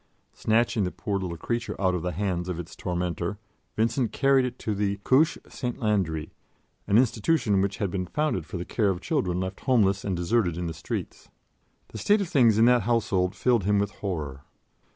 Snatching the poor little creature out of the hands of its tormentor, Vincent carried it to the "Couche St. Landry," an institution which had been founded for the care of children left homeless and deserted in the streets. The state of things in that household filled him with horror.